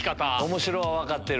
面白は分かってる。